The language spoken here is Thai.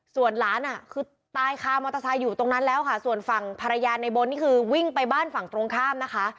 ส่วนหลานอ่ะคือตายคามอเตอร์ไซค์อยู่ตรงนั้นแล้วค่ะส่วนฝั่งภรรยาในบนนี่คือวิ่งไปบ้านฝั่งตรงข้ามนะคะ